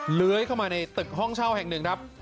เลื้อยเข้ามาในตึกห้องเช่าแห่งหนึ่งครับ